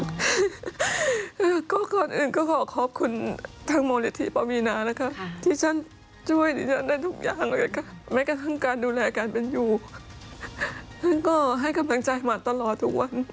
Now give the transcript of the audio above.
คร่ะก็ก่อนอื่นก็ขอขอบคุณทั้งมธีปมีนะนะคะที่ชั้นช่วยได้ทุกอย่างเลยค่ะแม้ก็ความการดูแลกันเป็นอยู่ก็ให้กำลังใจหมาตลอดทุกวัน